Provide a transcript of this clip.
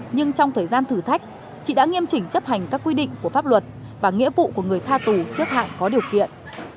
nhưng trong thời gian thử thách chị đã nghiêm chỉnh chấp hành các quy định của pháp luật và nghĩa vụ của người tha tù trước hạn có điều kiện